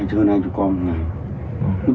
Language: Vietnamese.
hơn hai mươi con một ngày